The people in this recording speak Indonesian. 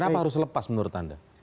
kenapa harus lepas menurut anda